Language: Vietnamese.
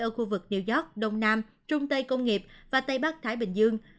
ở khu vực new york đông nam trung tây công nghiệp và tây bắc thái bình dương